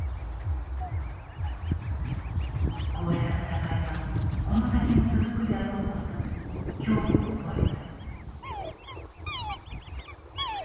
こうした戦いがこの先も続くであろうことに恐怖を覚えた。